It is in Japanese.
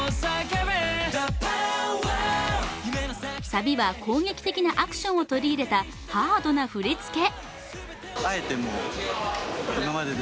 さびは攻撃的なアクションを取り入れたハードな振り付け。